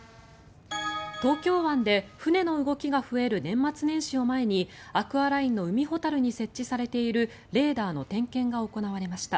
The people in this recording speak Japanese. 東京湾で船の動きが増える年末年始を前にアクアラインの海ほたるに設置されているレーダーの点検が行われました。